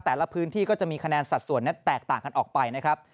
แต่ละพื้นที่ก็จะมีคะแนนสัดส่วนนั้นแตกต่างกันออกไปนะครับ